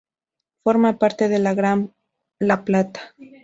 Forma parte del Gran La Plata.